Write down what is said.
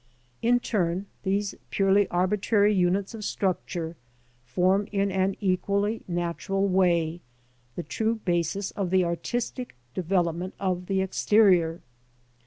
In turn, these purely arbitrary units of structure form in an equally natural way the true basis of the artistic development of the exterior.